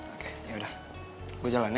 oke ya udah gue jalan ya